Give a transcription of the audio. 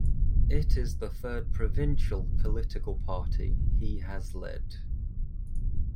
It is the third provincial political party he has led.